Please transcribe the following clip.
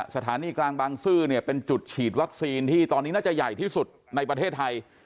สถานีกลางบางซื่อเนี่ยเป็นจุดฉีดวัคซีนที่ตอนนี้น่าจะใหญ่ที่สุดในประเทศไทย